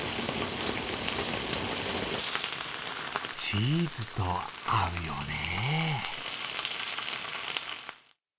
チーズと合うよね。